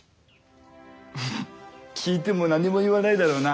フフッ聞いても何も言わないだろうな。